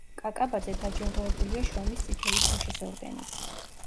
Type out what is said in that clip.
კაკაბაძე დაჯილდოებულია შრომის წითელი დროშის ორდენით.